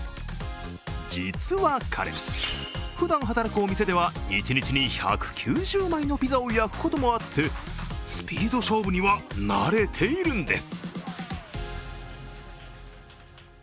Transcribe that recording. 実は彼、ふだん働くお店では一日に１９０枚のピザを焼くこともあってスピード勝負には慣れているんです。